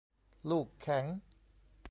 ลูกแข็ง